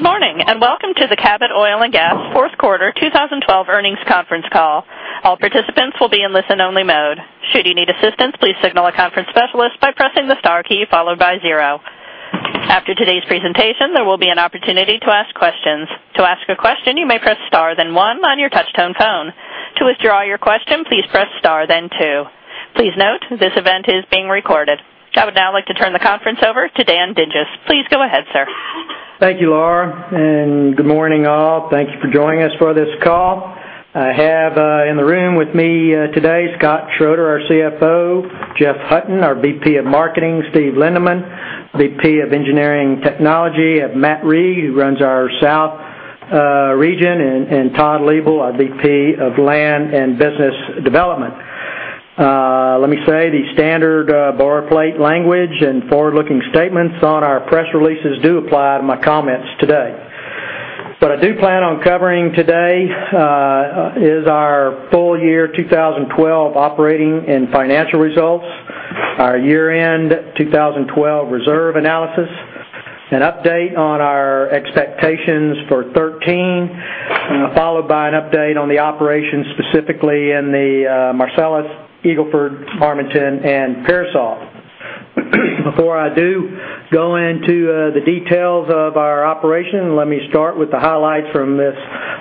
Good morning, and welcome to the Cabot Oil and Gas fourth quarter 2012 earnings conference call. All participants will be in listen only mode. Should you need assistance, please signal a conference specialist by pressing the star key followed by zero. After today's presentation, there will be an opportunity to ask questions. To ask a question, you may press star then one on your touchtone phone. To withdraw your question, please press star then two. Please note, this event is being recorded. I would now like to turn the conference over to Dan Dinges. Please go ahead, sir. Thank you, Laura. Good morning all. Thank you for joining us for this call. I have in the room with me today Scott Schroeder, our CFO, Jeff Hutton, our VP of Marketing, Steve Lindeman, VP of Engineering Technology, Matt Reid, who runs our South region, Todd Liebl, our VP of Land and Business Development. Let me say the standard boilerplate language and forward-looking statements on our press releases do apply to my comments today. What I do plan on covering today is our full year 2012 operating and financial results, our year-end 2012 reserve analysis, an update on our expectations for 2013, followed by an update on the operations, specifically in the Marcellus, Eagle Ford, Marmaton, and Pearsall. Before I do go into the details of our operation, let me start with the highlights from this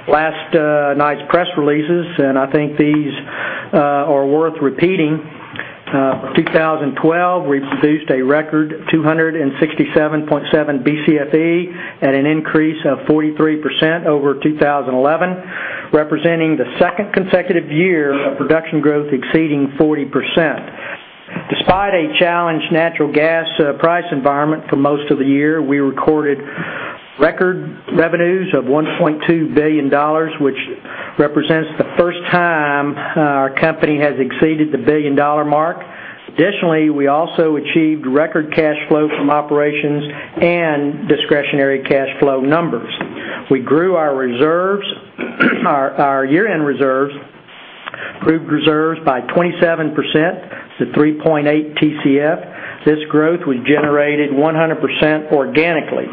last night's press releases. I think these are worth repeating. 2012, we produced a record 267.7 BCFE at an increase of 43% over 2011, representing the second consecutive year of production growth exceeding 40%. Despite a challenged natural gas price environment for most of the year, we recorded record revenues of $1.2 billion, which represents the first time our company has exceeded the billion-dollar mark. Additionally, we also achieved record cash flow from operations and discretionary cash flow numbers. We grew our year-end reserves, proved reserves by 27% to 3.8 TCF. This growth, we generated 100% organically.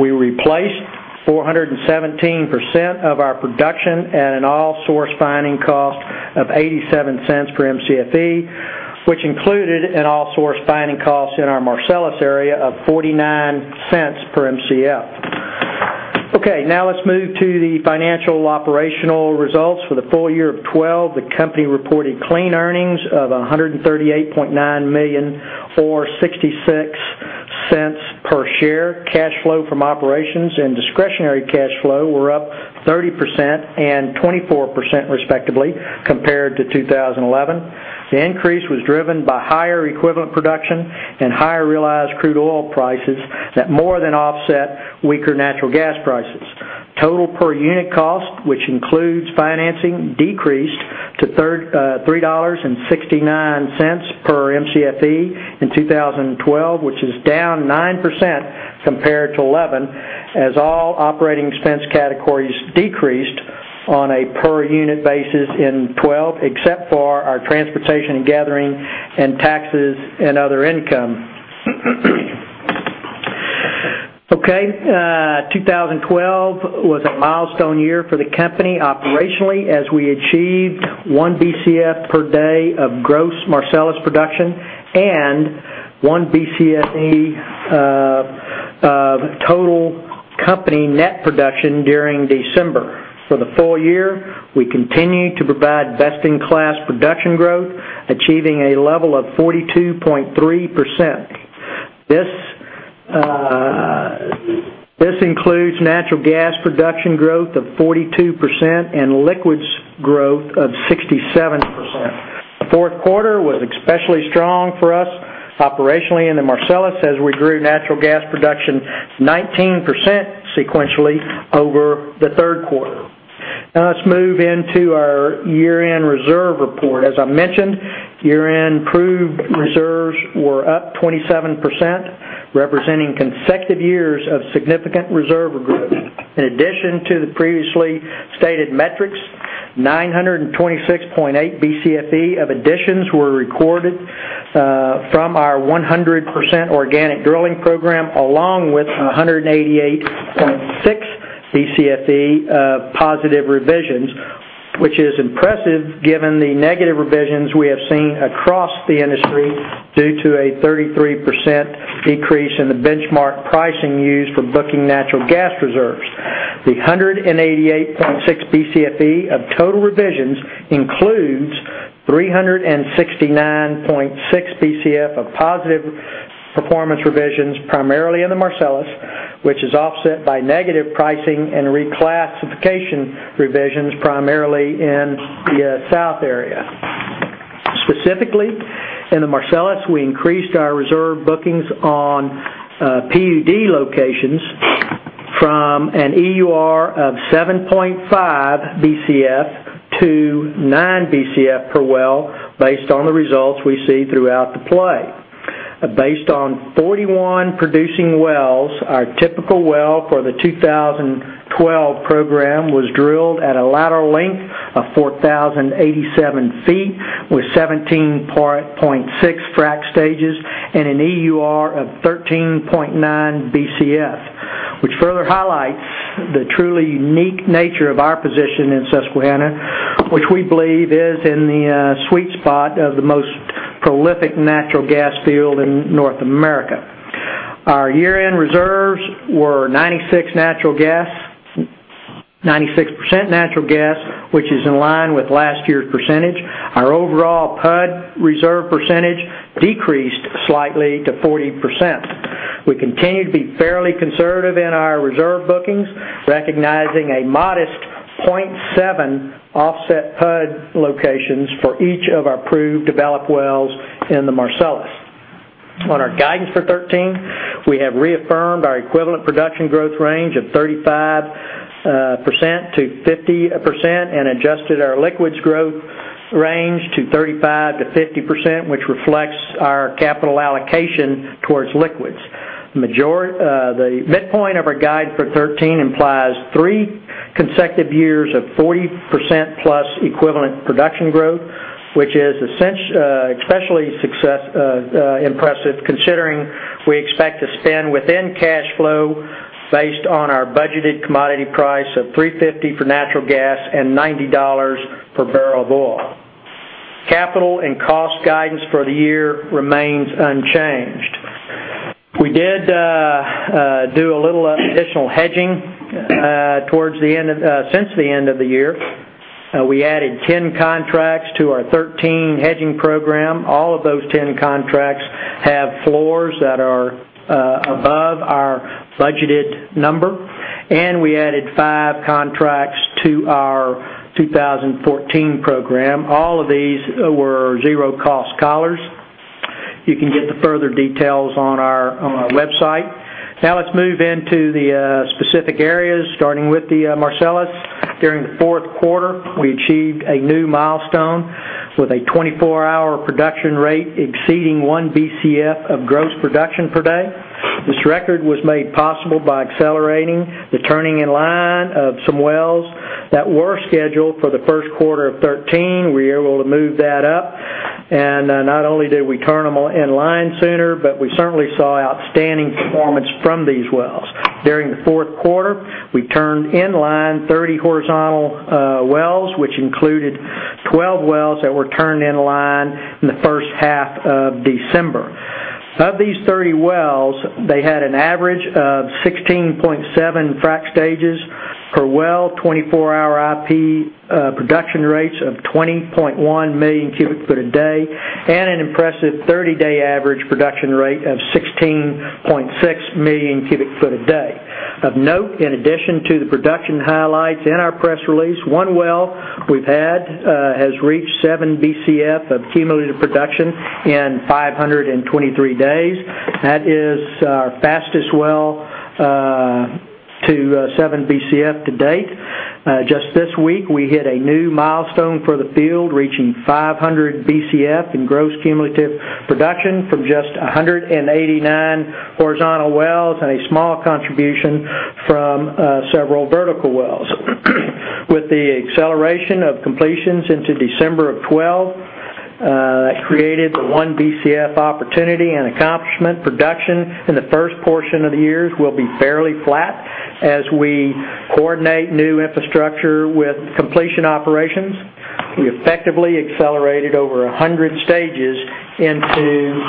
We replaced 417% of our production at an all-source finding cost of $0.87 per MCFE, which included an all-source finding cost in our Marcellus area of $0.49 per MCF. Now let's move to the financial operational results. For the full year of 2012, the company reported clean earnings of $138.9 million or $0.66 per share. Cash flow from operations and discretionary cash flow were up 30% and 24%, respectively, compared to 2011. The increase was driven by higher equivalent production and higher realized crude oil prices that more than offset weaker natural gas prices. Total per unit cost, which includes financing, decreased to $3.69 per MCFE in 2012, which is down 9% compared to 2011, as all operating expense categories decreased on a per unit basis in 2012, except for our transportation and gathering in taxes and other income. 2012 was a milestone year for the company operationally as we achieved one BCF per day of gross Marcellus production and one BCFE of total company net production during December. For the full year, we continue to provide best-in-class production growth, achieving a level of 42.3%. This includes natural gas production growth of 42% and liquids growth of 67%. The fourth quarter was especially strong for us operationally in the Marcellus as we grew natural gas production 19% sequentially over the third quarter. Now let's move into our year-end reserve report. As I mentioned, year-end proved reserves were up 20%, representing consecutive years of significant reserve growth. In addition to the previously stated metrics, 926.8 BCFE of additions were recorded from our 100% organic drilling program, along with 188.6 BCFE of positive revisions, which is impressive given the negative revisions we have seen across the industry due to a 33% decrease in the benchmark pricing used for booking natural gas reserves. The 188.6 BCFE of total revisions includes 369.6 BCF of positive performance revisions, primarily in the Marcellus, which is offset by negative pricing and reclassification revisions primarily in the South area. Specifically, in the Marcellus, we increased our reserve bookings on PUD locations from an EUR of 7.5 BCF to nine BCF per well based on the results we see throughout the play. Based on 41 producing wells, our typical well for the 2012 program was drilled at a lateral length of 4,087 feet, with 17.6 frac stages and an EUR of 13.9 BCF, which further highlights the truly unique nature of our position in Susquehanna, which we believe is in the sweet spot of the most prolific natural gas field in North America. Our year-end reserves were 96% natural gas, which is in line with last year's percentage. Our overall PUD reserve percentage decreased slightly to 40%. We continue to be fairly conservative in our reserve bookings, recognizing a modest 0.7 offset PUD locations for each of our proved developed wells in the Marcellus. On our guidance for 2013, we have reaffirmed our equivalent production growth range of 35%-50% and adjusted our liquids growth range to 35%-50%, which reflects our capital allocation towards liquids. The midpoint of our guide for 2013 implies three consecutive years of 40%+ equivalent production growth, which is especially impressive considering we expect to spend within cash flow based on our budgeted commodity price of $3.50 for natural gas and $90 per barrel of oil. Capital and cost guidance for the year remains unchanged. We did a little additional hedging since the end of the year. We added 10 contracts to our 2013 hedging program. All of those 10 contracts have floors that are above our budgeted number, and we added five contracts to our 2014 program. All of these were zero cost collars. You can get the further details on our website. Now let's move into the specific areas, starting with the Marcellus. During the fourth quarter, we achieved a new milestone with a 24-hour production rate exceeding one BCF of gross production per day. This record was made possible by accelerating the turning in line of some wells that were scheduled for the first quarter of 2013. We were able to move that up, and not only did we turn them in line sooner, but we certainly saw outstanding performance from these wells. During the fourth quarter, we turned in line 30 horizontal wells, which included 12 wells that were turned in line in the first half of December. Of these 30 wells, they had an average of 16.7 frac stages per well, 24-hour IP production rates of 20.1 million cubic feet a day, and an impressive 30-day average production rate of 16.6 million cubic feet a day. Of note, in addition to the production highlights in our press release, one well we've had has reached 7 Bcf of cumulative production in 523 days. That is our fastest well to 7 Bcf to date. Just this week, we hit a new milestone for the field, reaching 500 Bcf in gross cumulative production from just 189 horizontal wells and a small contribution from several vertical wells. With the acceleration of completions into December of 2012, that created the 1 Bcf opportunity and accomplishment. Production in the first portion of the years will be fairly flat as we coordinate new infrastructure with completion operations. We effectively accelerated over 100 stages into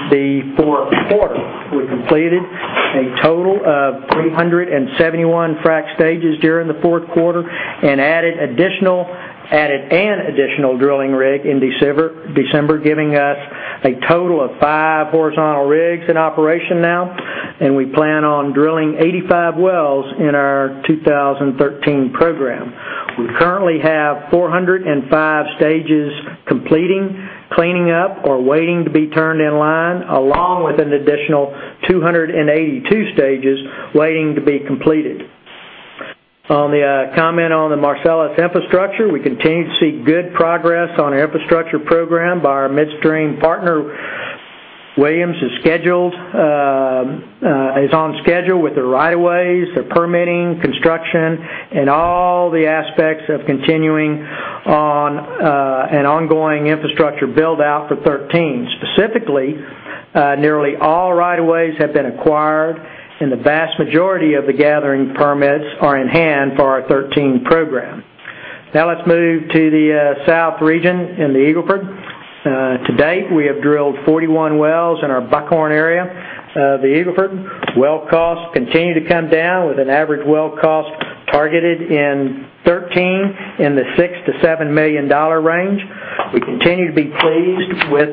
the fourth quarter. We completed a total of 371 frac stages during the fourth quarter and added an additional drilling rig in December, giving us a total of 5 horizontal rigs in operation now. We plan on drilling 85 wells in our 2013 program. We currently have 405 stages completing, cleaning up, or waiting to be turned in line, along with an additional 282 stages waiting to be completed. On the comment on the Marcellus infrastructure, we continue to see good progress on infrastructure program by our midstream partner. Williams is on schedule with the right of ways, the permitting, construction, and all the aspects of continuing on an ongoing infrastructure build-out for 2013. Specifically, nearly all right of ways have been acquired and the vast majority of the gathering permits are in hand for our 2013 program. Let's move to the south region in the Eagle Ford. To date, we have drilled 41 wells in our Buckhorn area. The Eagle Ford well costs continue to come down with an average well cost targeted in 2013 in the $6 million-$7 million range. We continue to be pleased with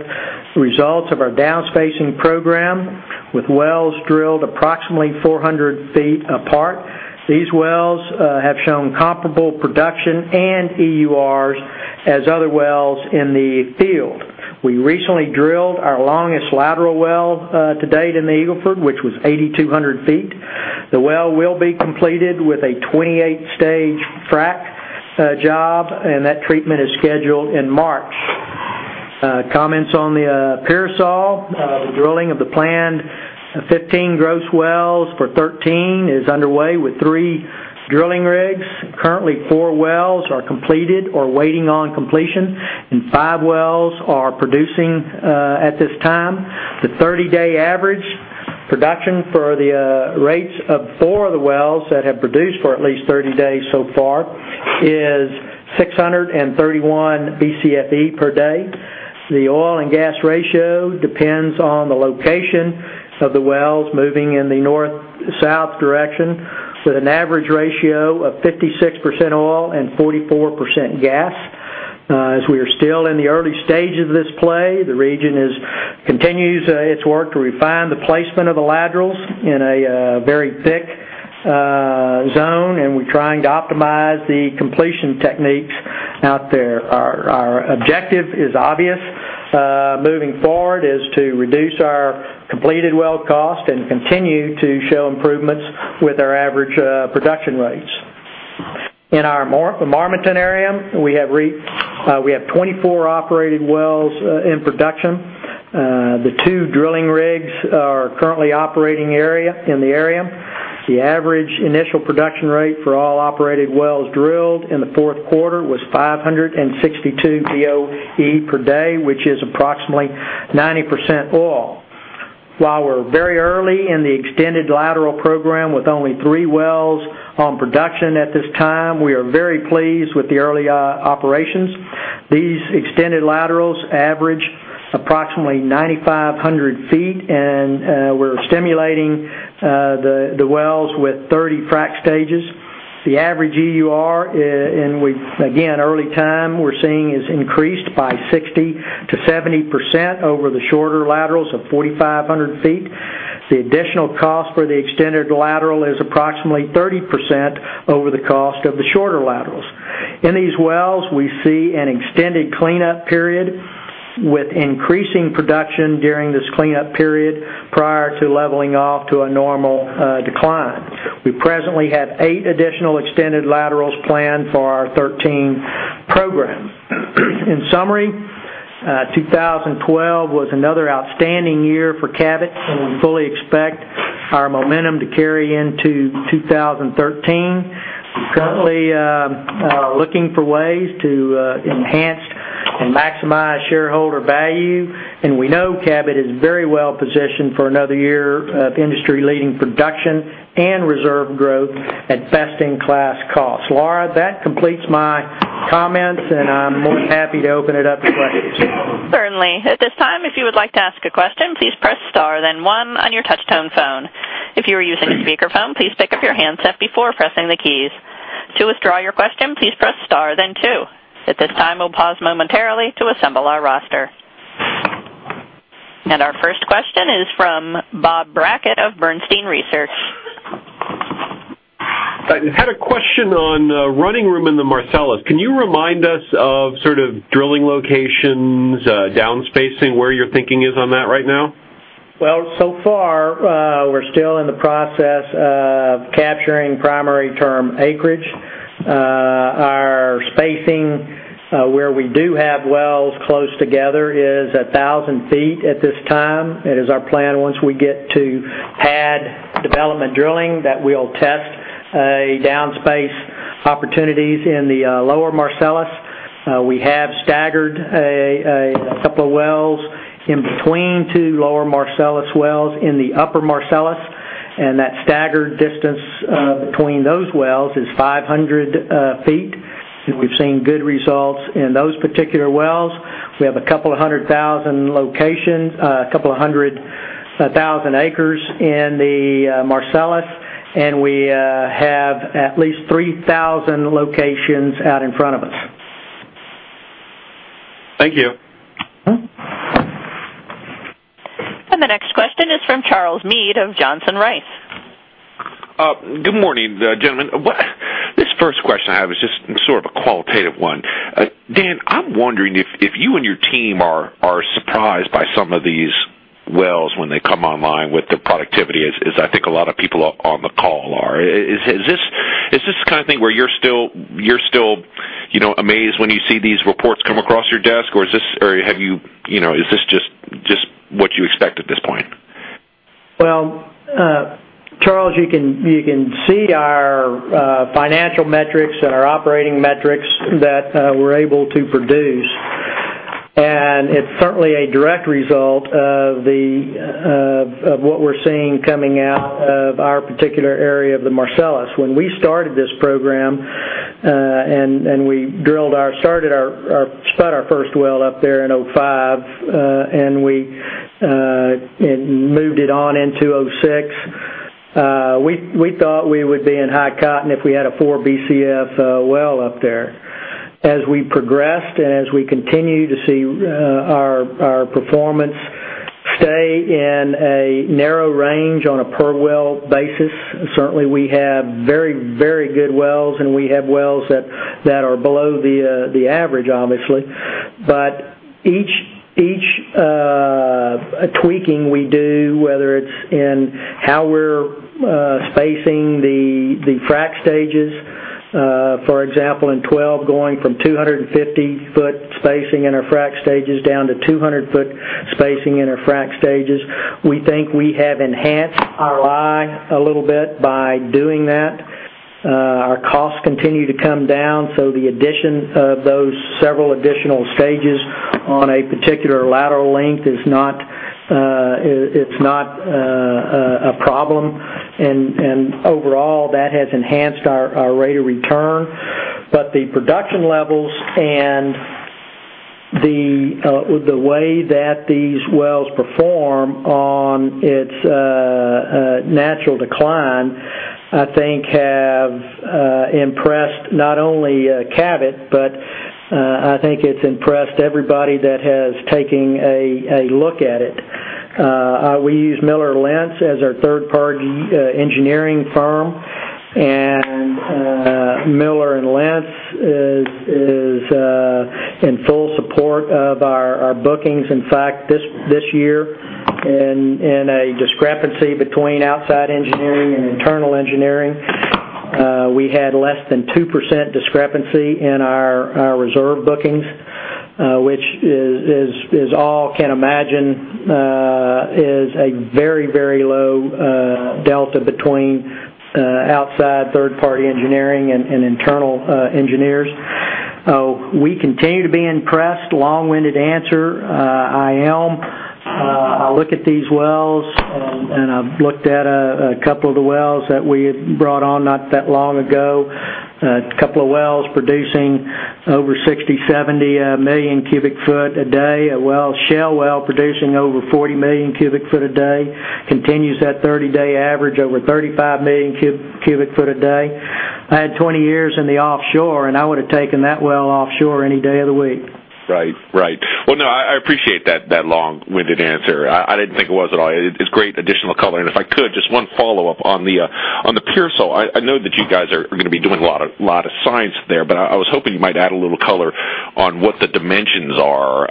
the results of our downspacing program with wells drilled approximately 400 feet apart. These wells have shown comparable production and EURs as other wells in the field. We recently drilled our longest lateral well to date in the Eagle Ford, which was 8,200 feet. The well will be completed with a 28-stage frac job, and that treatment is scheduled in March. Comments on the Pearsall. The drilling of the planned 15 gross wells for 2013 is underway with 3 drilling rigs. Currently, 4 wells are completed or waiting on completion. 5 wells are producing at this time. The 30-day average production for the rates of 4 of the wells that have produced for at least 30 days so far is 631 Bcfe per day. The oil and gas ratio depends on the location of the wells moving in the north-south direction, with an average ratio of 56% oil and 44% gas. As we are still in the early stage of this play, the region continues its work to refine the placement of the laterals in a very thick zone, and we're trying to optimize the completion techniques out there. Our objective is obvious. Moving forward is to reduce our completed well cost and continue to show improvements with our average production rates. In our Marmaton area, we have 24 operated wells in production. The 2 drilling rigs are currently operating in the area. The average initial production rate for all operated wells drilled in the fourth quarter was 562 Boe per day, which is approximately 90% oil. While we're very early in the extended lateral program with only three wells on production at this time, we are very pleased with the early operations. These extended laterals average approximately 9,500 feet. We're stimulating the wells with 30 frack stages. The average EUR, again, early time, we're seeing is increased by 60%-70% over the shorter laterals of 4,500 feet. The additional cost for the extended lateral is approximately 30% over the cost of the shorter laterals. In these wells, we see an extended cleanup period with increasing production during this cleanup period prior to leveling off to a normal decline. We presently have eight additional extended laterals planned for our 2013 program. In summary, 2012 was another outstanding year for Cabot. We fully expect our momentum to carry into 2013. We're currently looking for ways to enhance and maximize shareholder value. We know Cabot is very well positioned for another year of industry-leading production and reserve growth at best-in-class costs. Laura, that completes my comments. I'm more than happy to open it up to questions. Certainly. At this time, if you would like to ask a question, please press star then one on your touch-tone phone. If you are using a speakerphone, please pick up your handset before pressing the keys. To withdraw your question, please press star then two. At this time, we'll pause momentarily to assemble our roster. Our first question is from Bob Brackett of Bernstein Research. I had a question on running room in the Marcellus. Can you remind us of sort of drilling locations, downspacing, where your thinking is on that right now? Well, so far, we're still in the process of capturing primary term acreage. Our spacing where we do have wells close together is 1,000 feet at this time. It is our plan once we get to pad development drilling that we'll test downspace opportunities in the lower Marcellus. We have staggered a couple of wells in between two lower Marcellus wells in the upper Marcellus, and that staggered distance between those wells is 500 feet, and we've seen good results in those particular wells. We have a couple of hundred thousand locations, a couple of hundred thousand acres in the Marcellus, and we have at least 3,000 locations out in front of us. Thank you. The next question is from Charles Meade of Johnson Rice. Good morning, gentlemen. This first question I have is just sort of a qualitative one. Dan, I'm wondering if you and your team are surprised by some of these wells when they come online with the productivity, as I think a lot of people on the call are. Is this the kind of thing where you're still amazed when you see these reports come across your desk, or is this just what you expect at this point? Well, Charles, you can see our financial metrics and our operating metrics that we're able to produce. It's certainly a direct result of what we're seeing coming out of our particular area of the Marcellus. When we started this program and we spot our first well up there in 2005, and we moved it on into 2006, we thought we would be in high cotton if we had a 4 Bcf well up there. As we progressed and as we continue to see our performance stay in a narrow range on a per-well basis, certainly we have very good wells. We have wells that are below the average, obviously. Each tweaking we do, whether it's in how we're spacing the frack stages, for example, in 2012, going from 250-foot spacing in our frack stages down to 200-foot spacing in our frack stages, we think we have enhanced our life a little bit by doing that. Our costs continue to come down. The addition of those several additional stages on a particular lateral length is not a problem. Overall, that has enhanced our rate of return. The production levels and the way that these wells perform on its natural decline, I think have impressed not only Cabot, but I think it's impressed everybody that has taken a look at it. We use Miller and Lents, Ltd. as our third-party engineering firm. Miller and Lents, Ltd. is in full support of our bookings. In fact, this year, in a discrepancy between outside engineering and internal engineering, we had less than 2% discrepancy in our reserve bookings, which as all can imagine is a very low delta between outside third-party engineering and internal engineers. We continue to be impressed. Long-winded answer. I am. I look at these wells. I've looked at a couple of the wells that we had brought on not that long ago. A couple of wells producing over 60, 70 million cubic foot a day. A Shell well producing over 40 million cubic foot a day, continues that 30-day average, over 35 million cubic foot a day. I had 20 years in the offshore. I would've taken that well offshore any day of the week. Right. Well, no, I appreciate that long-winded answer. I didn't think it was at all. It's great additional color. If I could, just one follow-up on the Pearsall. I know that you guys are going to be doing a lot of science there. I was hoping you might add a little color on what the dimensions are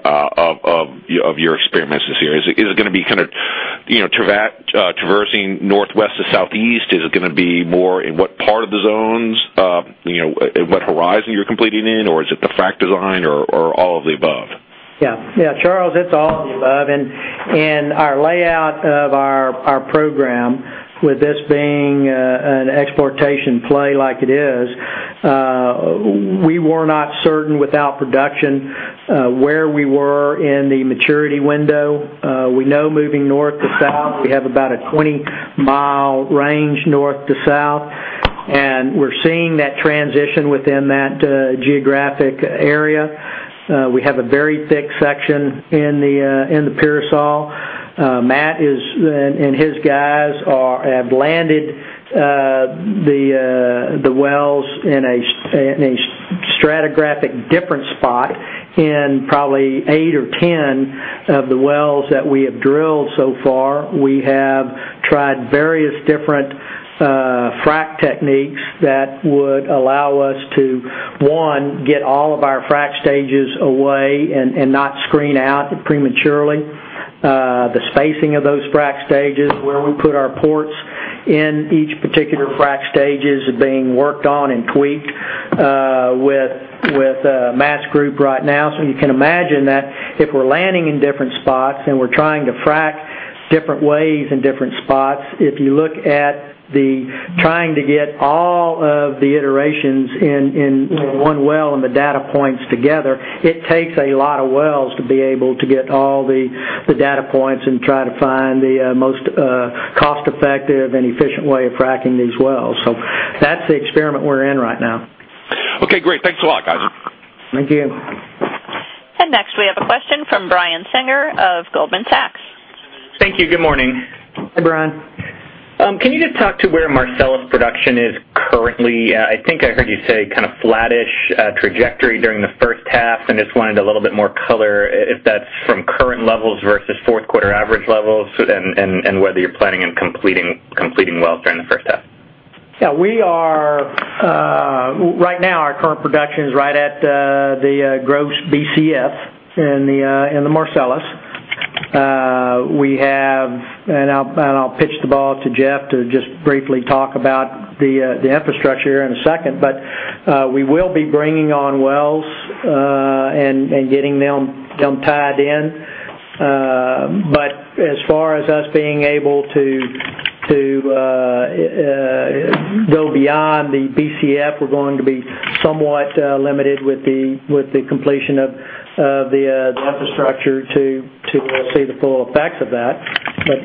of your experiments this year. Is it going to be traversing northwest to southeast? Is it going to be more in what part of the zones, what horizon you're completing in? Is it the frack design or all of the above? Charles, it's all of the above. Our layout of our program, with this being an exploitation play like it is, we were not certain without production, where we were in the maturity window. We know moving north to south, we have about a 20-mile range north to south, and we're seeing that transition within that geographic area. We have a very thick section in the Pearsall. Matt and his guys have landed the wells in a stratigraphic different spot in probably eight or 10 of the wells that we have drilled so far. We have tried various different frack techniques that would allow us to, one, get all of our frack stages away and not screen out prematurely. The spacing of those frack stages, where we put our ports in each particular frack stage is being worked on and tweaked with Matt's group right now. You can imagine that if we're landing in different spots and we're trying to frack different ways in different spots, if you look at the trying to get all of the iterations in one well and the data points together, it takes a lot of wells to be able to get all the data points and try to find the most cost-effective and efficient way of fracking these wells. That's the experiment we're in right now. Great. Thanks a lot, guys. Thank you. Next we have a question from Brian Singer of Goldman Sachs. Thank you. Good morning. Hi, Brian. Can you just talk to where Marcellus production is currently? I think I heard you say flatish trajectory during the first half, and just wanted a little bit more color if that's from current levels versus fourth quarter average levels, and whether you're planning on completing wells during the first half. Yeah. Right now our current production is right at the gross BCF in the Marcellus. I'll pitch the ball to Jeff to just briefly talk about the infrastructure here in a second. We will be bringing on wells and getting them tied in. As far as us being able to go beyond the BCF, we're going to be somewhat limited with the completion of the infrastructure to see the full effects of that.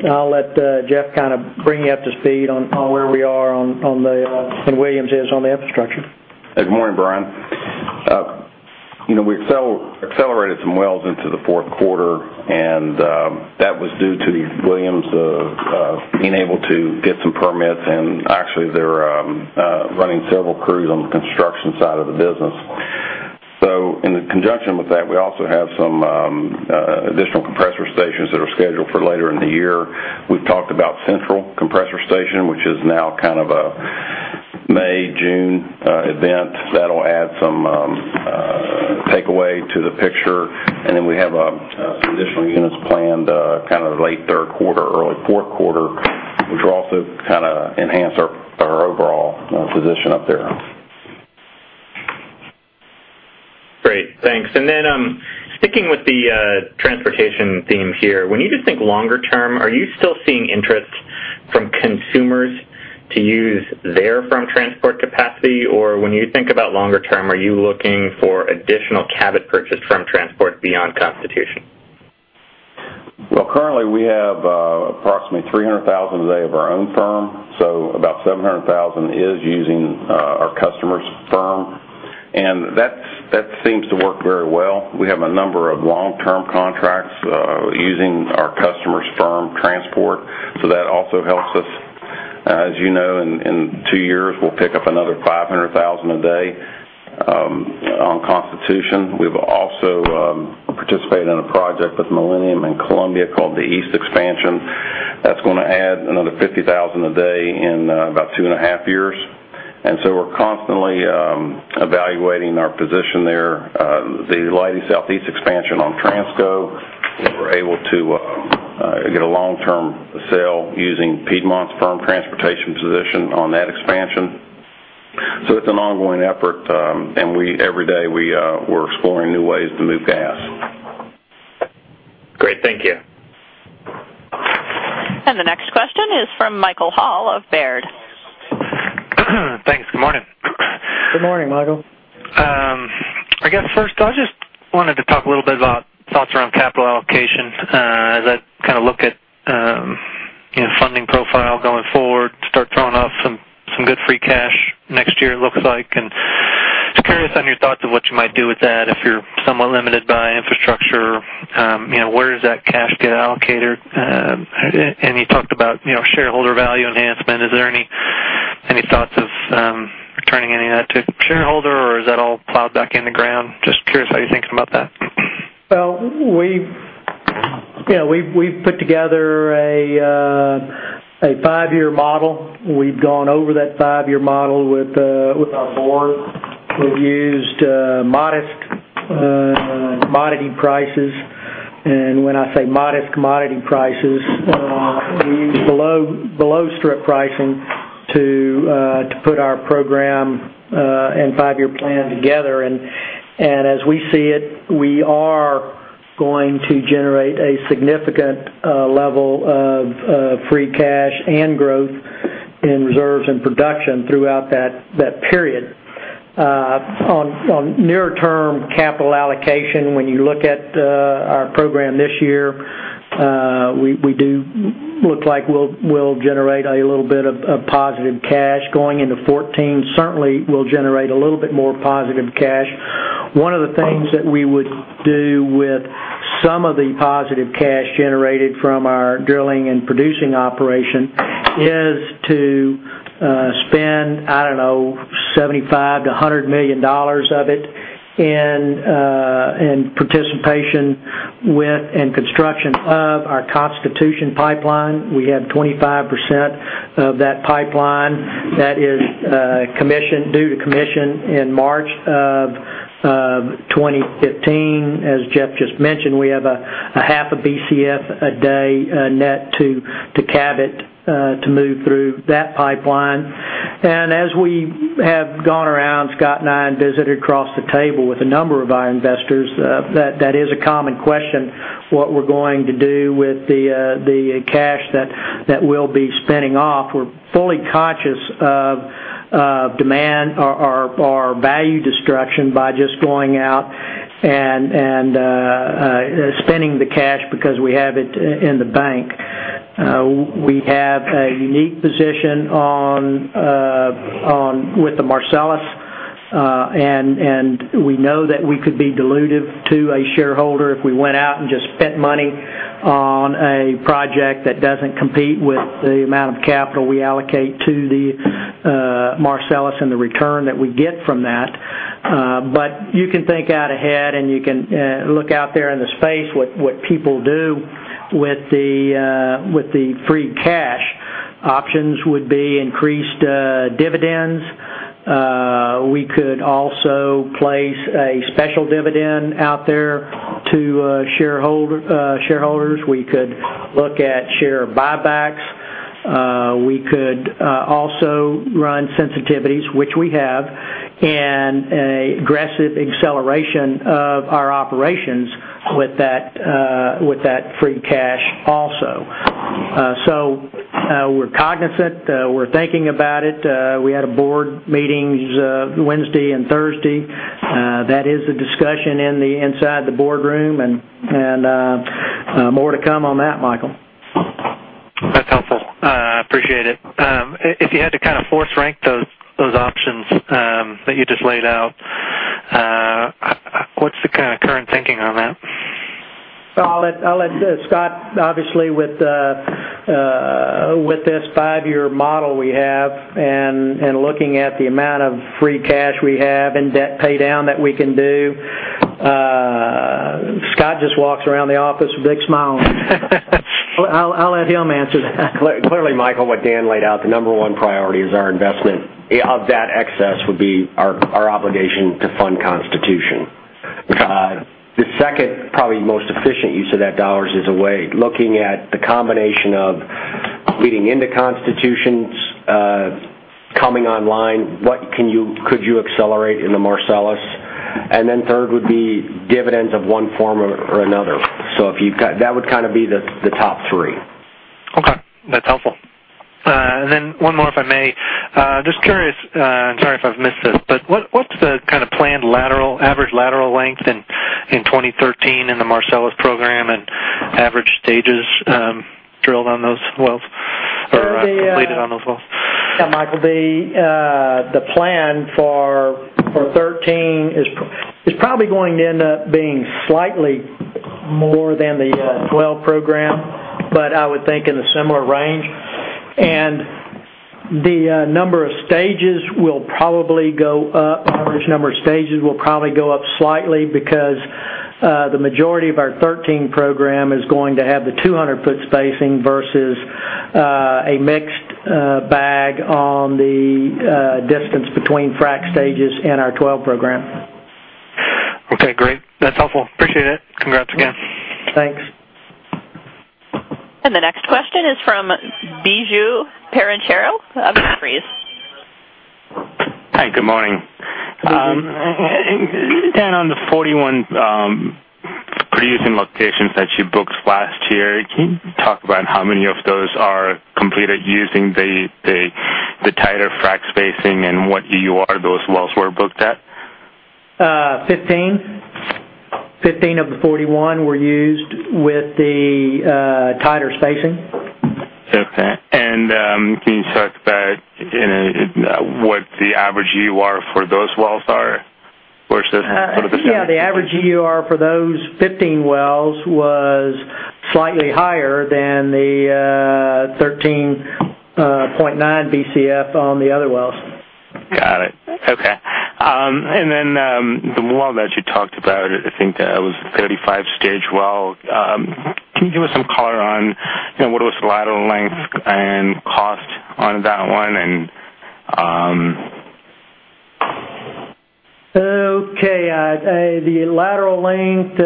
I'll let Jeff bring you up to speed on where we are, and Williams is on the infrastructure. Good morning, Brian. We accelerated some wells into the fourth quarter, and that was due to Williams being able to get some permits, and actually they're running several crews on the construction side of the business. In conjunction with that, we also have some additional compressor stations that are scheduled for later in the year. We've talked about Central Compressor Station, which is now a May, June event. That'll add some takeaway to the picture. Then we have some additional units planned late third quarter, early fourth quarter, which will also enhance our overall position up there. Great. Thanks. Then sticking with the transportation theme here, when you just think longer term, are you still seeing interest from consumers to use their firm transport capacity? When you think about longer term, are you looking for additional Cabot purchase firm transport beyond Constitution? Well, currently we have approximately 300,000 a day of our own firm, so about 700,000 is using our customer's firm, and that seems to work very well. We have a number of long-term contracts using our customer's firm transport, so that also helps us. As you know, in two years, we'll pick up another 500,000 a day on Constitution. We've also participated in a project with Millennium and Columbia called the East Expansion. That's going to add another 50,000 a day in about two and a half years. So we're constantly evaluating our position there. The Leidy Southeast expansion on Transco, we were able to get a long-term sale using Piedmont's firm transportation position on that expansion. It's an ongoing effort, and every day we're exploring new ways to move gas. Great. Thank you. The next question is from Michael Hall of Baird. Thanks. Good morning. Good morning, Michael. I guess first I just wanted to talk a little bit about thoughts around capital allocation as I look at funding profile going forward, start throwing off some good free cash next year looks like. Just curious on your thoughts of what you might do with that if you're somewhat limited by infrastructure, where does that cash get allocated? You talked about shareholder value enhancement. Are there any thoughts of returning any of that to shareholder, or is that all plowed back in the ground? Just curious how you're thinking about that. We've put together a five-year model. We've gone over that five-year model with our board. We've used modest commodity prices. When I say modest commodity prices, we use below strip pricing to put our program and five-year plan together. As we see it, we are going to generate a significant level of free cash and growth in reserves and production throughout that period. On nearer term capital allocation, when you look at our program this year, we do look like we'll generate a little bit of positive cash going into 2014. Certainly, we'll generate a little bit more positive cash. One of the things that we would do with some of the positive cash generated from our drilling and producing operation is to spend, I don't know, $75 million-$100 million of it in participation with and construction of our Constitution Pipeline. We have 25% of that pipeline that is due to commission in March of 2015. As Jeff just mentioned, we have a half a BCF a day net to Cabot to move through that pipeline. As we have gone around, Scott and I have visited across the table with a number of our investors, that is a common question, what we're going to do with the cash that we'll be spinning off. We're fully conscious of demand or value destruction by just going out and spending the cash because we have it in the bank. We have a unique position with the Marcellus, we know that we could be dilutive to a shareholder if we went out and just spent money on a project that doesn't compete with the amount of capital we allocate to the Marcellus and the return that we get from that. You can think out ahead, you can look out there in the space what people do with the free cash. Options would be increased dividends. We could also place a special dividend out there to shareholders. We could look at share buybacks. We could also run sensitivities, which we have, an aggressive acceleration of our operations with that free cash also. We're cognizant. We're thinking about it. We had board meetings Wednesday and Thursday. That is a discussion inside the boardroom, more to come on that, Michael. That's helpful. I appreciate it. If you had to force rank those options that you just laid out, what's the current thinking on that? I'll let Scott. Obviously, with this five-year model we have and looking at the amount of free cash we have and debt paydown that we can do, Scott just walks around the office with a big smile. I'll let him answer that. Clearly, Michael, what Dan laid out, the number 1 priority is our investment. Of that excess would be our obligation to fund Constitution. Second, probably most efficient use of that dollars is a way, looking at the combination of leading into Constitution, coming online, what could you accelerate in the Marcellus? Third would be dividends of one form or another. That would be the top three. That's helpful. One more, if I may. Just curious, and sorry if I've missed this, but what's the planned average lateral length in 2013 in the Marcellus program, and average stages drilled on those wells or completed on those wells? Yeah, Michael. The plan for 2013 is probably going to end up being slightly more than the well program, I would think in a similar range. The number of stages will probably go up. Average number of stages will probably go up slightly because the majority of our 2013 program is going to have the 200-foot spacing versus a mixed bag on the distance between frack stages in our 2012 program. Okay, great. That's helpful. Appreciate it. Congrats again. Thanks. The next question is from Biju Perincheril of Jefferies. Hi, good morning. Biju. Dan, on the 41 producing locations that you booked last year, can you talk about how many of those are completed using the tighter frack spacing and what EUR those wells were booked at? Fifteen. Fifteen of the 41 were used with the tighter spacing. Okay. can you talk about what the average EUR for those wells are versus? Yeah, the average EUR for those 15 wells was slightly higher than the 13.9 Bcf on the other wells. Got it. Okay. Then, the well that you talked about, I think that was a 35-stage well. Can you give us some color on what was the lateral length and cost on that one? Okay. The lateral length,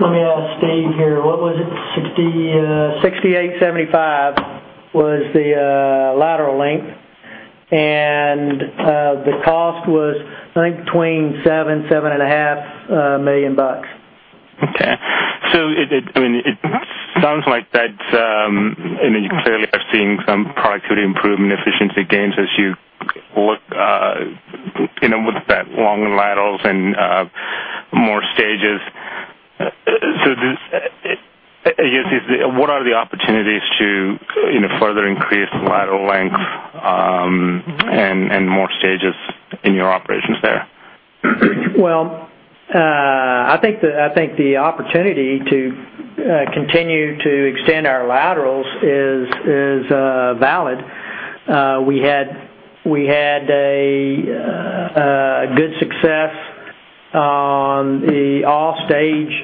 let me ask Steve here. What was it? 6,875 was the lateral length. The cost was, I think, between $7 million-$7.5 million. Okay. It sounds like that, you clearly are seeing some productivity improvement, efficiency gains as you look with that long laterals and more stages. I guess, what are the opportunities to further increase lateral length and more stages in your operations there? Well, I think the opportunity to continue to extend our laterals is valid. We had good success on the off-stage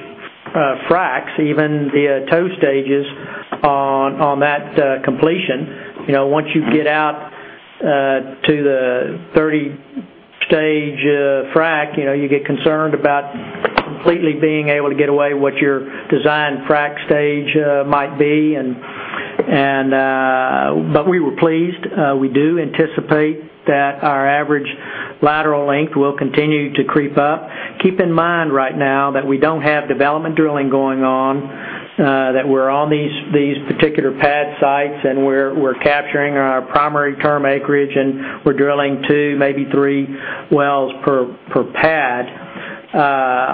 fracs, even the toe stages on that completion. Once you get out to the 30-stage frac, you get concerned about completely being able to get away what your design frac stage might be. We were pleased. We do anticipate that our average lateral length will continue to creep up. Keep in mind right now that we don't have development drilling going on, that we're on these particular pad sites, and we're capturing our primary term acreage, and we're drilling two, maybe three wells per pad.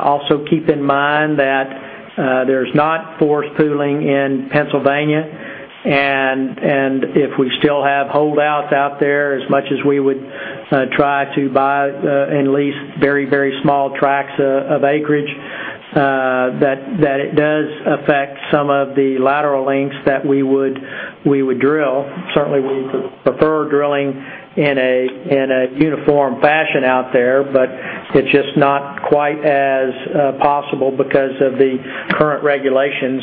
Also, keep in mind that there's not forced pooling in Pennsylvania, and if we still have holdouts out there, as much as we would try to buy and lease very, very small tracts of acreage, that it does affect some of the lateral lengths that we would drill. Certainly, we would prefer drilling in a uniform fashion out there, but it's just not quite as possible because of the current regulations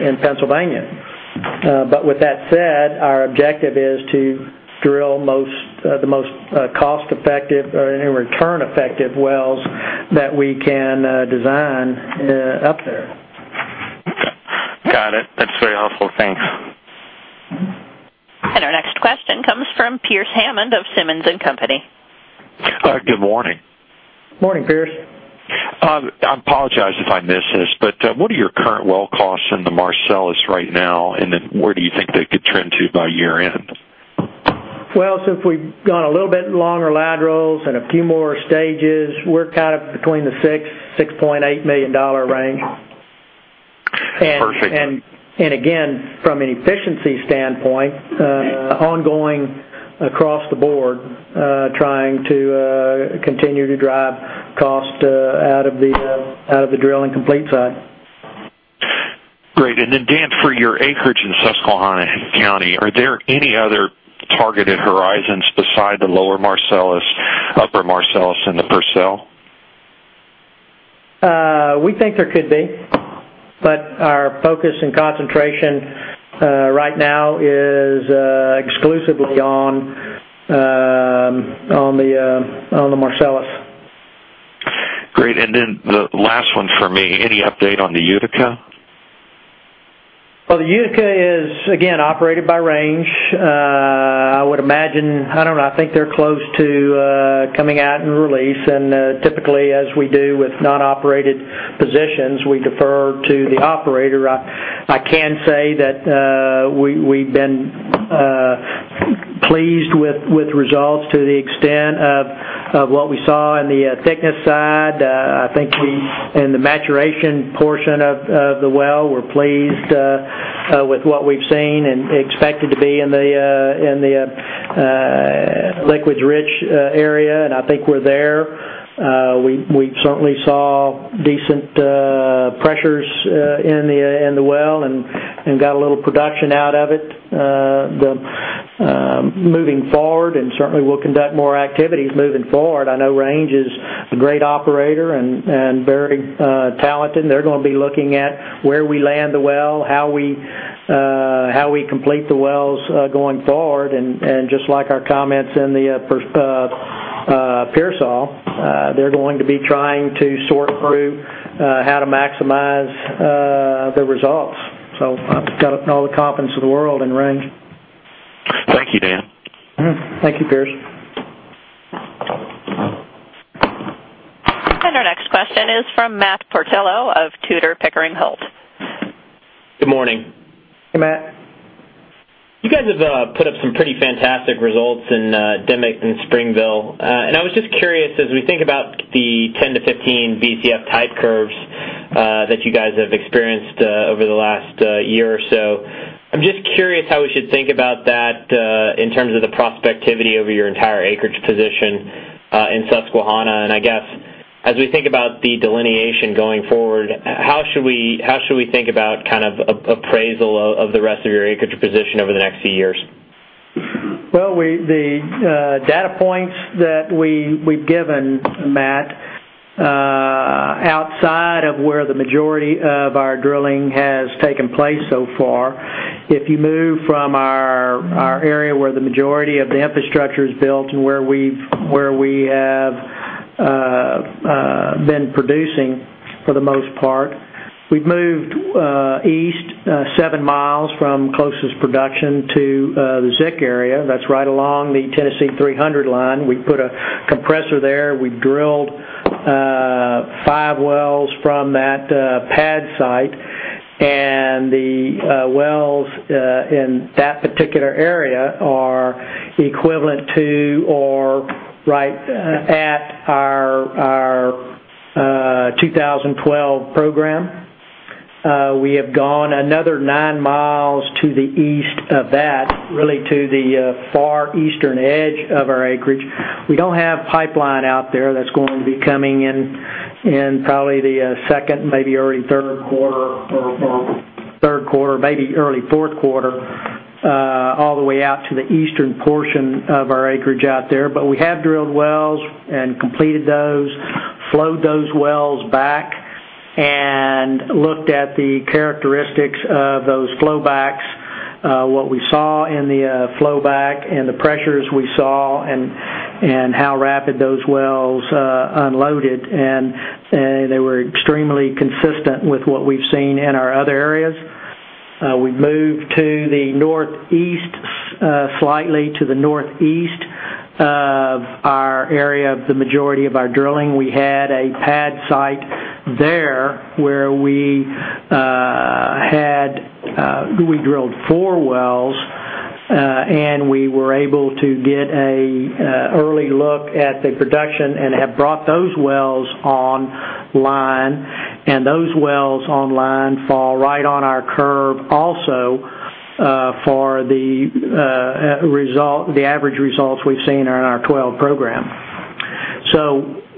in Pennsylvania. With that said, our objective is to drill the most cost-effective or return-effective wells that we can design up there. Got it. That's very helpful. Thanks. Our next question comes from Pearce Hammond of Simmons & Company. Good morning. Morning, Pearce. I apologize if I missed this, what are your current well costs in the Marcellus right now, where do you think they could trend to by year-end? Well, since we've gone a little bit longer laterals and a few more stages, we're between the six, $6.8 million range. Per section. From an efficiency standpoint, ongoing across the board, trying to continue to drive cost out of the drill and complete side. Great. Then Dan, for your acreage in Susquehanna County, are there any other targeted horizons beside the Lower Marcellus, Upper Marcellus, and the Purcell? We think there could be, our focus and concentration right now is exclusively on the Marcellus. Great. The last one for me, any update on the Utica? Well, the Utica is, again, operated by Range. I would imagine, I don't know, I think they're close to coming out in release. Typically, as we do with non-operated positions, we defer to the operator. I can say that we've been pleased with results to the extent of what we saw in the thickness side. I think in the maturation portion of the well, we're pleased with what we've seen and expect it to be in the liquids rich area, and I think we're there. We certainly saw decent pressures in the well and got a little production out of it. Moving forward, and certainly we'll conduct more activities moving forward, I know Range is a great operator and very talented, and they're going to be looking at where we land the well, how we complete the wells going forward, and just like our comments in the Pearsall, they're going to be trying to sort through how to maximize the results. I've got all the confidence in the world in Range. Thank you, Dan. Thank you, Pearce. Our next question is from Matt Portillo of Tudor, Pickering, Holt. Good morning. Hey, Matt. You guys have put up some pretty fantastic results in Dimock and Springville. I was just curious, as we think about the 10-15 Bcf type curves that you guys have experienced over the last year or so, I'm just curious how we should think about that, in terms of the prospectivity over your entire acreage position, in Susquehanna. I guess as we think about the delineation going forward, how should we think about appraisal of the rest of your acreage position over the next few years? Well, the data points that we've given, Matt, outside of where the majority of our drilling has taken place so far, if you move from our area where the majority of the infrastructure is built and where we have been producing, for the most part, we've moved east seven miles from closest production to the ZIC area. That's right along the Tennessee 300 Line. We put a compressor there. The wells in that particular area are equivalent to or right at our 2012 program. We have gone another nine miles to the east of that, really to the far eastern edge of our acreage. We don't have pipeline out there. That's going to be coming in probably the second, maybe early third quarter, or third quarter, maybe early fourth quarter, all the way out to the eastern portion of our acreage out there. We have drilled wells and completed those, flowed those wells back, and looked at the characteristics of those flow backs. What we saw in the flow back and the pressures we saw and how rapid those wells unloaded, they were extremely consistent with what we've seen in our other areas. We've moved to the northeast, slightly to the northeast of our area of the majority of our drilling. We had a pad site there where we drilled four wells. We were able to get an early look at the production and have brought those wells online. Those wells online fall right on our curve also, for the average results we've seen in our 2012 program.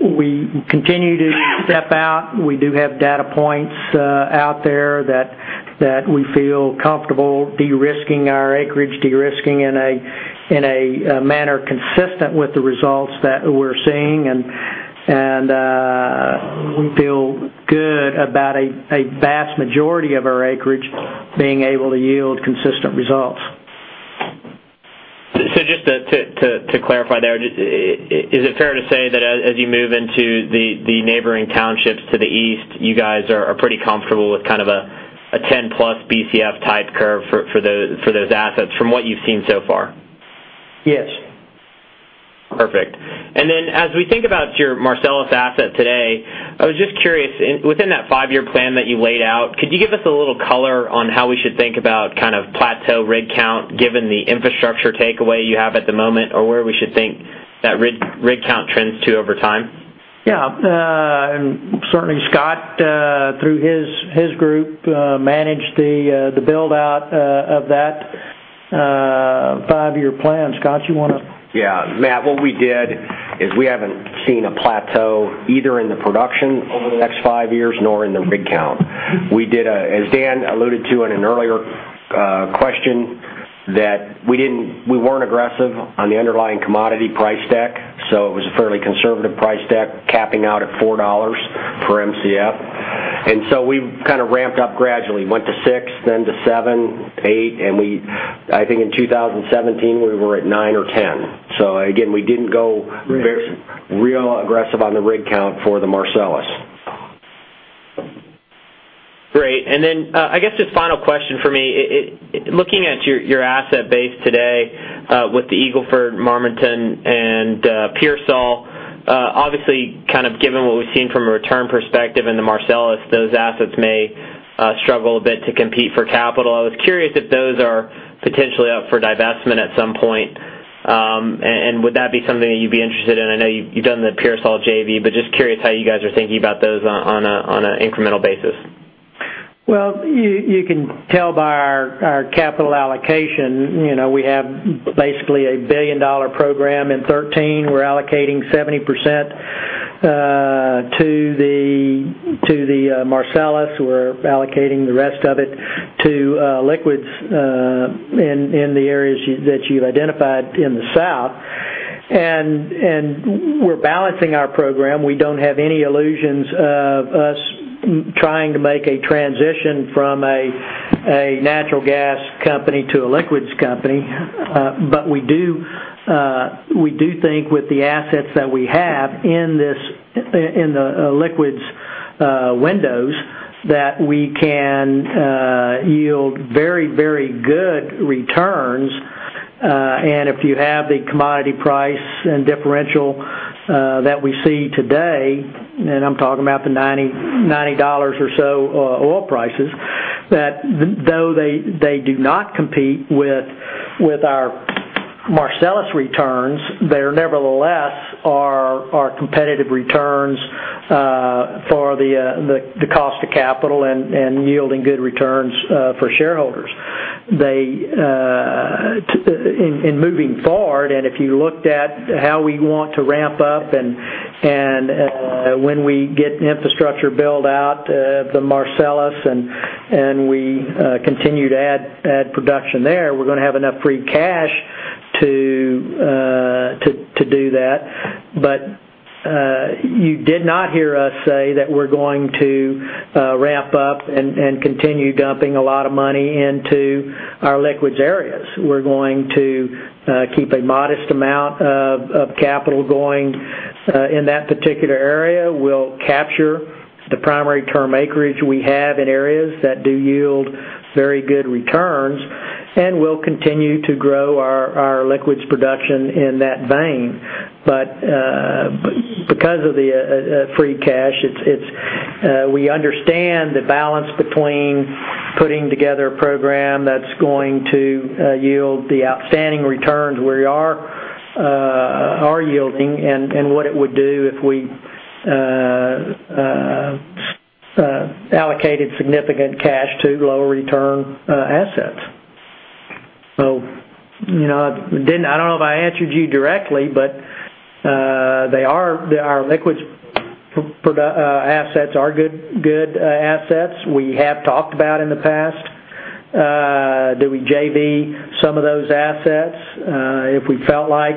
We continue to step out. We do have data points out there that we feel comfortable de-risking our acreage, de-risking in a manner consistent with the results that we're seeing. We feel good about a vast majority of our acreage being able to yield consistent results. just to clarify there, is it fair to say that as you move into the neighboring townships to the east, you guys are pretty comfortable with a 10 plus BCF type curve for those assets from what you've seen so far? Yes. Perfect. as we think about your Marcellus asset today, I was just curious, within that five-year plan that you laid out, could you give us a little color on how we should think about plateau rig count, given the infrastructure takeaway you have at the moment, or where we should think that rig count trends to over time? Certainly, Scott, through his group, managed the build-out of that five-year plan. Scott, you want to? Matt, what we did is we haven't seen a plateau either in the production over the next five years nor in the rig count. As Dan alluded to in an earlier question That we weren't aggressive on the underlying commodity price deck. it was a fairly conservative price deck, capping out at $4 per MCF. we ramped up gradually, went to six, then to seven, eight, and I think in 2017, we were at nine or 10. again, we didn't go very real aggressive on the rig count for the Marcellus. Great. I guess just final question from me. Looking at your asset base today with the Eagle Ford, Marmaton, and Pearsall, obviously, given what we've seen from a return perspective in the Marcellus, those assets may struggle a bit to compete for capital. I was curious if those are potentially up for divestment at some point. Would that be something that you'd be interested in? I know you've done the Pearsall JV, but just curious how you guys are thinking about those on a incremental basis. You can tell by our capital allocation, we have basically a billion-dollar program in 2013. We're allocating 70% to the Marcellus. We're allocating the rest of it to liquids in the areas that you identified in the South. We're balancing our program. We don't have any illusions of us trying to make a transition from a natural gas company to a liquids company. We do think with the assets that we have in the liquids windows, that we can yield very good returns. If you have the commodity price and differential that we see today, and I'm talking about the $90 or so oil prices, that though they do not compete with our Marcellus returns, they are nevertheless our competitive returns for the cost of capital and yielding good returns for shareholders. In moving forward, if you looked at how we want to ramp up and when we get infrastructure build out the Marcellus, we continue to add production there, we're going to have enough free cash to do that. You did not hear us say that we're going to ramp up and continue dumping a lot of money into our liquids areas. We're going to keep a modest amount of capital going in that particular area. We'll capture the primary term acreage we have in areas that do yield very good returns, we'll continue to grow our liquids production in that vein. Because of the free cash, we understand the balance between putting together a program that's going to yield the outstanding returns we are yielding and what it would do if we allocated significant cash to lower return assets. I don't know if I answered you directly, our liquids assets are good assets. We have talked about in the past, do we JV some of those assets? If we felt like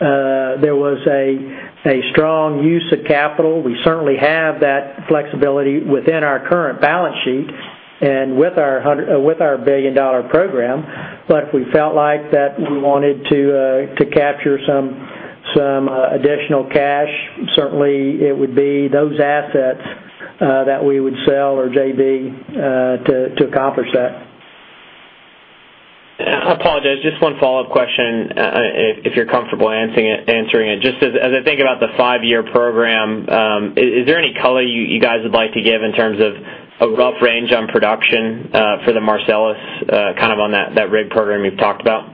there was a strong use of capital, we certainly have that flexibility within our current balance sheet and with our billion-dollar program. If we felt like that we wanted to capture some additional cash, certainly it would be those assets that we would sell or JV to accomplish that. I apologize, just one follow-up question, if you're comfortable answering it. Just as I think about the five-year program, is there any color you guys would like to give in terms of a rough range on production for the Marcellus on that rig program you've talked about?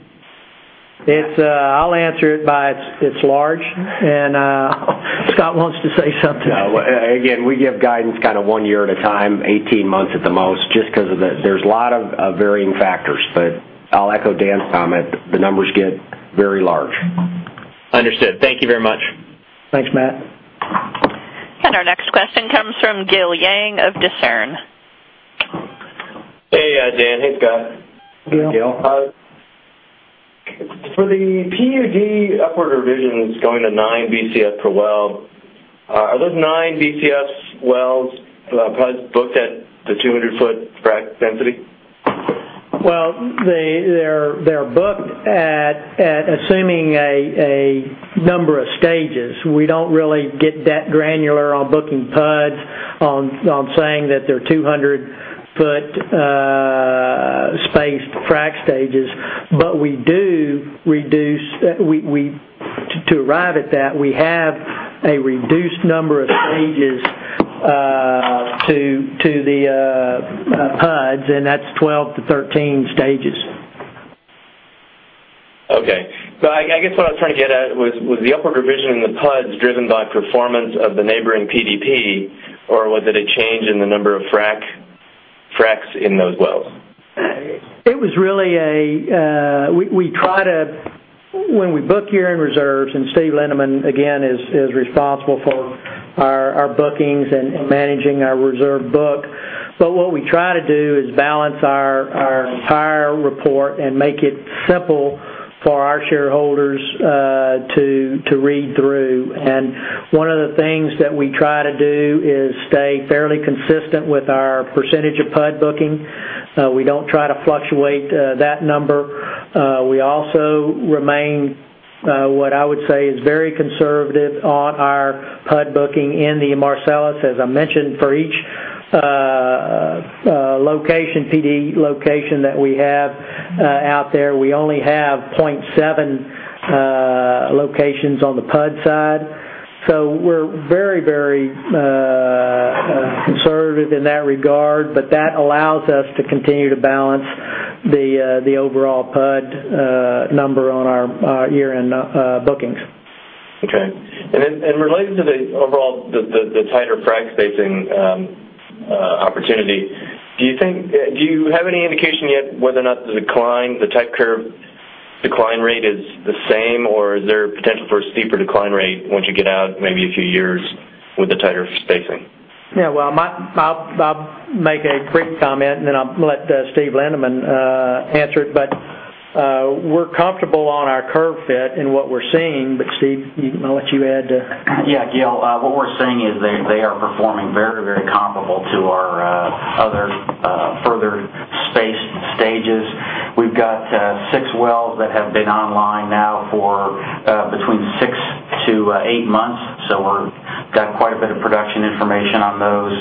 I'll answer it by it's large, and Scott wants to say something. No. Again, we give guidance one year at a time, 18 months at the most, just because there's a lot of varying factors. I'll echo Dan's comment. The numbers get very large. Understood. Thank you very much. Thanks, Matt. Our next question comes from Gil Yang of Discern. Hey, Dan. Hey, Scott. Hey, Gil. For the PUD upward revisions going to 9 BCFs per well, are those 9 BCFs wells PUDs booked at the 200-foot frac density? Well, they're booked at assuming a number of stages. We don't really get that granular on booking PUDs, on saying that they're 200-foot spaced frac stages. To arrive at that, we have a reduced number of stages to the PUDs, and that's 12 to 13 stages. Okay. I guess what I was trying to get at was the upward revision in the PUDs driven by performance of the neighboring PDP, or was it a change in the number of fracs in those wells? When we book year-end reserves, and Steve Lindeman, again, is responsible for our bookings and managing our reserve book. What we try to do is balance our entire report and make it simple for our shareholders to read through. One of the things that we try to do is stay fairly consistent with our percentage of PUD booking. We don't try to fluctuate that number. We also remain, what I would say, is very conservative on our PUD booking in the Marcellus. As I mentioned, for each location, PD location that we have out there, we only have 0.7 locations on the PUD side. We're very conservative in that regard, but that allows us to continue to balance the overall PUD number on our year-end bookings. Okay. Then in relation to the overall tighter frac spacing opportunity, do you have any indication yet whether or not the decline, the type curve decline rate is the same, or is there potential for a steeper decline rate once you get out maybe a few years with the tighter spacing? Yeah. Well, I'll make a brief comment then I'll let Steve Lindeman answer it. We're comfortable on our curve fit and what we're seeing. Steve, I'll let you add. Yeah, Gil, what we're seeing is they are performing very comparable to our other further spaced stages. We've got six wells that have been online now for between six to eight months, we've got quite a bit of production information on those.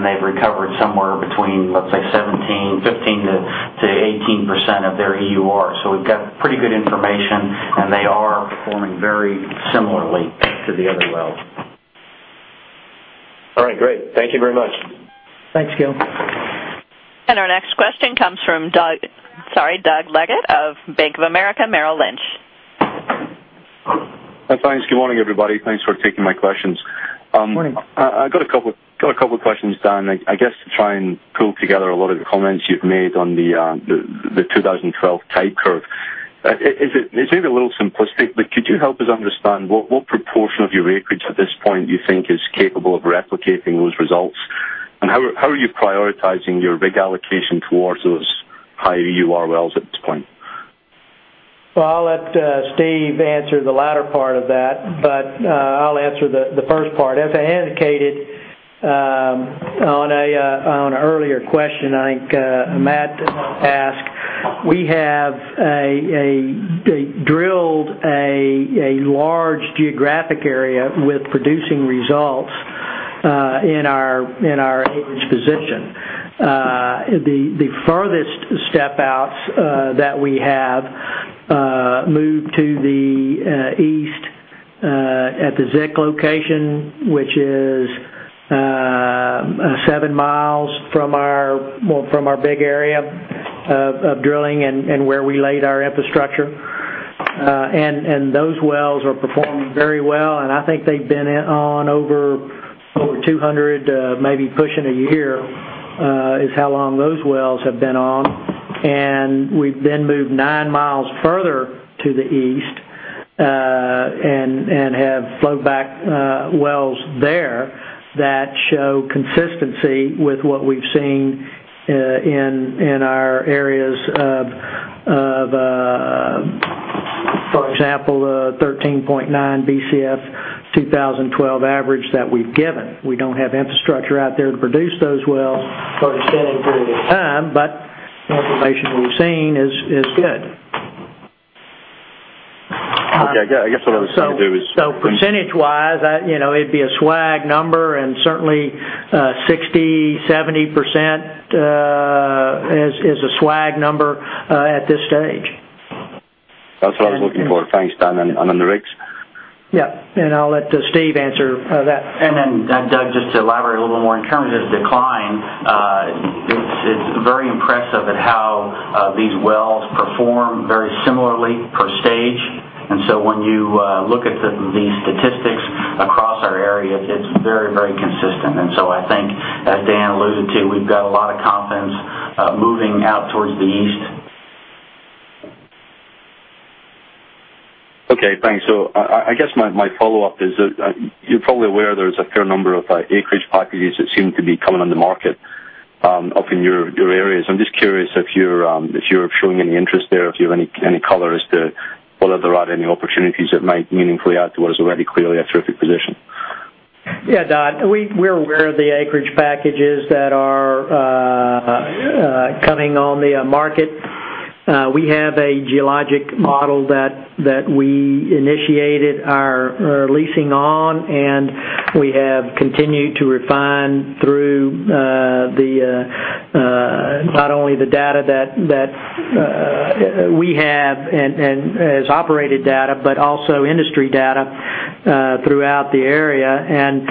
They've recovered somewhere between, let's say, 15%-18% of their EUR. We've got pretty good information, they are performing very similarly to the other wells. All right, great. Thank you very much. Thanks, Gil. Our next question comes from Doug Leggate of Bank of America Merrill Lynch. Thanks. Good morning, everybody. Thanks for taking my questions. Morning. I got a couple of questions, Dan, I guess, to try and pull together a lot of the comments you've made on the 2012 type curve. It may be a little simplistic, but could you help us understand what proportion of your acreage at this point you think is capable of replicating those results? How are you prioritizing your rig allocation towards those high EUR wells at this point? I'll let Steve answer the latter part of that, but I'll answer the first part. As I indicated on an earlier question, I think Matt asked, we have drilled a large geographic area with producing results in our acreage position. The farthest step outs that we have moved to the east at the ZIC location, which is seven miles from our big area of drilling and where we laid our infrastructure. Those wells are performing very well, and I think they've been on over 200, maybe pushing a year, is how long those wells have been on. We've then moved nine miles further to the east and have flowback wells there that show consistency with what we've seen in our areas of, for example, 13.9 Bcf 2012 average that we've given. We don't have infrastructure out there to produce those wells for an extended period of time. The information we've seen is good. I guess what I was saying there. Percentage wise, it'd be a swag number and certainly 60%, 70% is a swag number at this stage. That's what I was looking for. Thanks, Dan, on the rigs? Yeah. I'll let Steve answer that. Doug, just to elaborate a little more, in terms of decline, it's very impressive at how these wells perform very similarly per stage. When you look at the statistics across our areas, it's very consistent. I think, as Dan alluded to, we've got a lot of confidence moving out towards the east. Okay, thanks. I guess my follow-up is, you're probably aware there's a fair number of acreage packages that seem to be coming on the market up in your areas. I'm just curious if you're showing any interest there, if you have any color as to whether there are any opportunities that might meaningfully add to what is already clearly a terrific position. Yeah, Doug, we're aware of the acreage packages that are coming on the market. We have a geologic model that we initiated our leasing on, and we have continued to refine through not only the data that we have and as operated data, but also industry data throughout the area.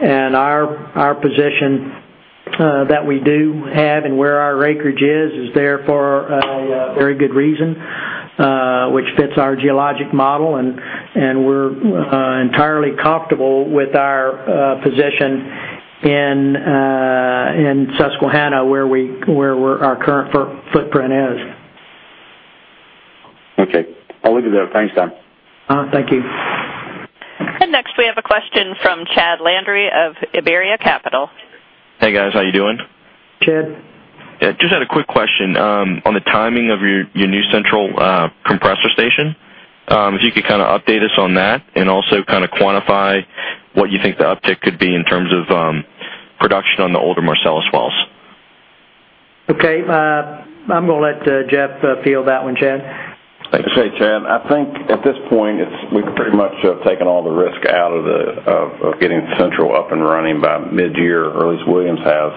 Our position that we do have and where our acreage is there for a very good reason, which fits our geologic model, and we're entirely comfortable with our position in Susquehanna, where our current footprint is. Okay. I'll leave it there. Thanks, Dan. Thank you. Next we have a question from Chad Landry of Iberia Capital. Hey, guys. How you doing? Chad. Just had a quick question on the timing of your new Central Compressor Station. If you could update us on that and also quantify what you think the uptick could be in terms of production on the older Marcellus wells. Okay. I'm going to let Jeff field that one, Chad. Okay, Chad. I think at this point, we've pretty much taken all the risk out of getting Central up and running by mid-year, or at least Williams has,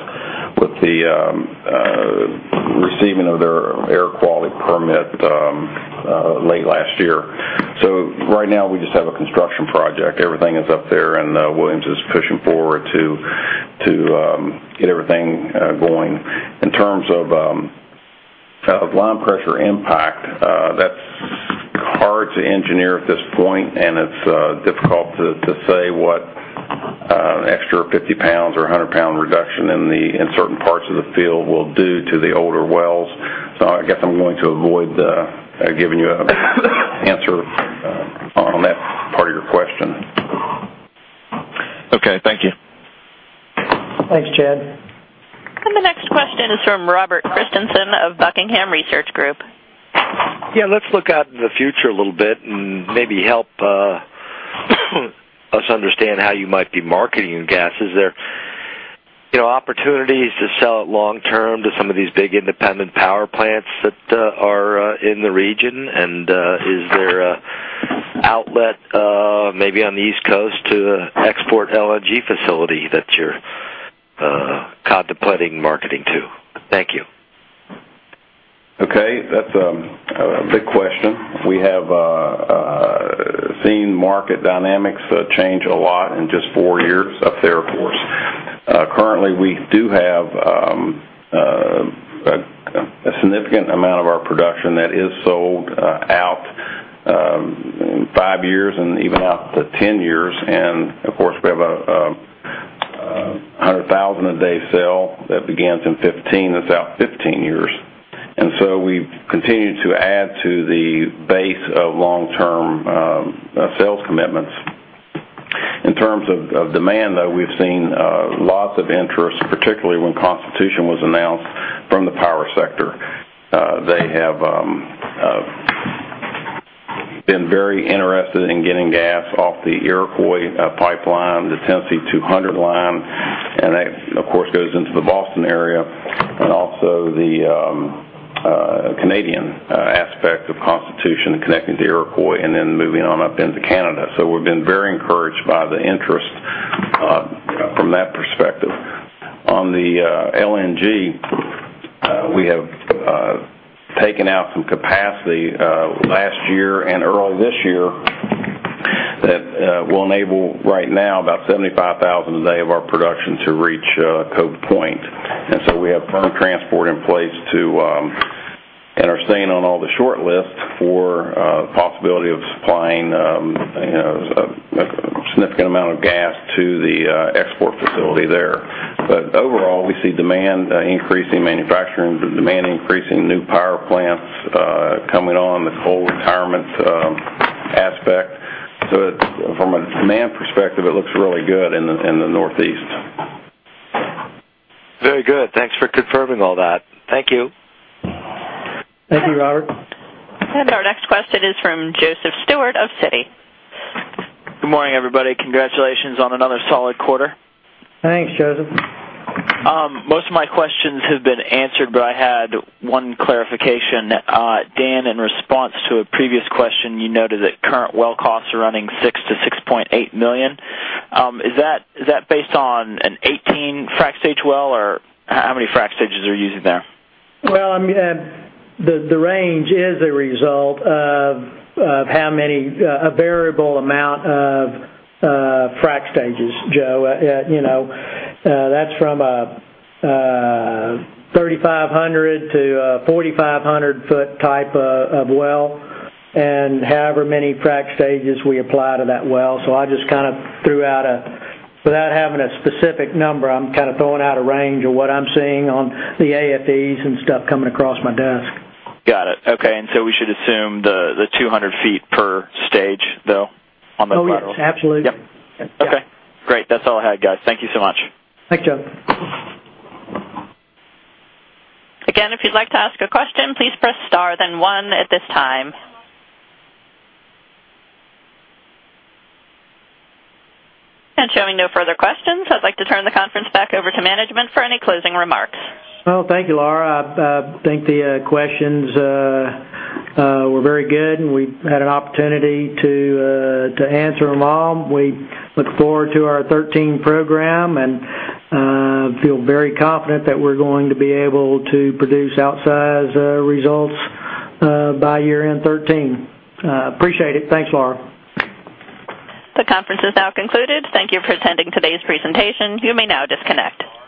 with the receiving of their air quality permit late last year. Right now we just have a construction project. Everything is up there. Williams is pushing forward to get everything going. In terms of line pressure impact, that's hard to engineer at this point, and it's difficult to say what an extra 50 pounds or 100-pound reduction in certain parts of the field will do to the older wells. I guess I'm going to avoid giving you an answer on that part of your question. Okay, thank you. Thanks, Chad. The next question is from Robert Christensen of Buckingham Research Group. Yeah, let's look out into the future a little bit and maybe help us understand how you might be marketing gases there. Opportunities to sell it long-term to some of these big independent power plants that are in the region, is there an outlet maybe on the East Coast to export LNG facility that you're contemplating marketing to? Thank you. Okay. That's a big question. We have seen market dynamics change a lot in just four years up there, of course. Currently, we do have a significant amount of our production that is sold out five years and even out to 10 years. We have 100,000-a-day sale that begins in 2015, that's out 15 years. We've continued to add to the base of long-term sales commitments. In terms of demand, though, we've seen lots of interest, particularly when Constitution was announced from the power sector. They have been very interested in getting gas off the Iroquois pipeline, the Tennessee 200 line, and that, of course, goes into the Boston area, and also the Canadian aspect of Constitution connecting to Iroquois and then moving on up into Canada. We've been very encouraged by the interest from that perspective. On the LNG, we have taken out some capacity last year and early this year that will enable right now about 75,000 a day of our production to reach Cove Point. We have firm transport in place to and are staying on all the shortlists for possibility of supplying a significant amount of gas to the export facility there. Overall, we see demand increasing manufacturing, demand increasing new power plants coming on the coal retirement aspect. From a demand perspective, it looks really good in the Northeast. Very good. Thanks for confirming all that. Thank you. Thank you, Robert. Our next question is from Joseph Stewart of Citi. Good morning, everybody. Congratulations on another solid quarter. Thanks, Joseph. Most of my questions have been answered, but I had one clarification. Dan, in response to a previous question, you noted that current well costs are running $6 million-$6.8 million. Is that based on an 18-frac stage well, or how many frac stages are you using there? Well, the range is a result of a variable amount of frac stages, Joe. That's from a 3,500-foot to a 4,500-foot type of well and however many frac stages we apply to that well. I just, without having a specific number, I'm throwing out a range of what I'm seeing on the AFEs and stuff coming across my desk. Got it. Okay. We should assume the 200 feet per stage, though, on the- Oh, yes, absolutely. Yep. Okay, great. That's all I had, guys. Thank you so much. Thanks, Joe. If you'd like to ask a question, please press star then one at this time. Showing no further questions, I'd like to turn the conference back over to management for any closing remarks. Well, thank you, Laura. I think the questions were very good, and we had an opportunity to answer them all. We look forward to our 2013 program and feel very confident that we're going to be able to produce outsized results by year-end 2013. Appreciate it. Thanks, Laura. The conference is now concluded. Thank you for attending today's presentation. You may now disconnect.